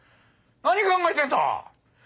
何考えてんだ！